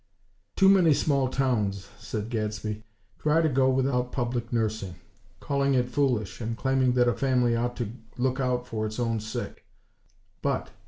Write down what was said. "Too many small towns," said Gadsby, "try to go without public nursing; calling it foolish, and claiming that a family ought to look out for its own sick. BUT!